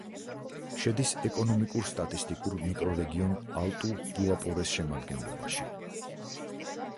შედის ეკონომიკურ-სტატისტიკურ მიკრორეგიონ ალტუ-გუაპორეს შემადგენლობაში.